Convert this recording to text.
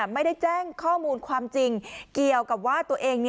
ไม่ได้แจ้งข้อมูลความจริงเกี่ยวกับว่าตัวเอง